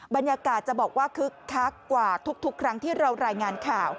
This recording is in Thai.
บรรยากาศจะบอกว่าคึกคักกว่าทุกครั้งที่เรารายงานข่าว